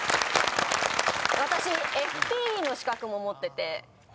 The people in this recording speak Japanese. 私ＦＰの資格も持ってて。